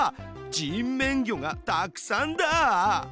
人面魚がたくさんだ。